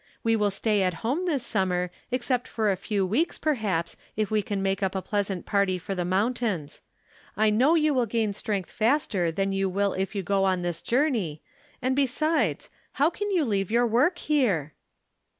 We will stay at home tliis summer, except for a few weeks, perhaps, if we can make up a pleasant party for the mountains. I know you will gain strength faster than you wiU if you go on this journey. And, besides, how can you leave your work here